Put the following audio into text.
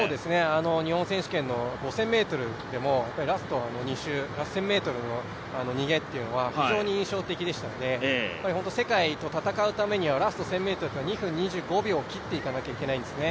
日本選手権の５０００ｍでもラスト２周、１０００ｍの逃げというのは非常に印象的でしたんで世界と戦うためにはラスト１０００ｍは２分２５秒を切っていかなきゃいけないんですね。